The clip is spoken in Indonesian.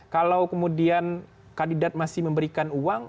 kalau kemudian kandidat masih memberikan uang